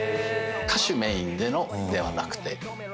歌手メインでのではなくて。